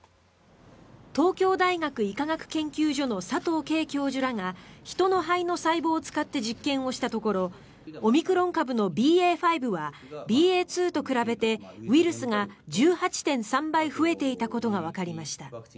東京大学医科学研究所の佐藤佳教授らが人の肺の細胞を使って実験をしたところオミクロン株のＢＡ．５はＢＡ．２と比べてウイルスが１８．３倍増えていたことがわかりました。